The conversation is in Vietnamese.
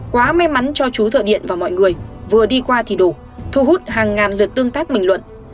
quá may mắn cho chú thợ điện và mọi người vừa đi qua thì đủ thu hút hàng ngàn lượt tương tác bình luận